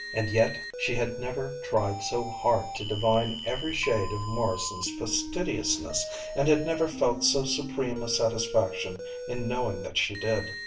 And yet she had never tried so hard to divine every shade of Morrison's fastidiousness and had never felt so supreme a satisfaction in knowing that she did.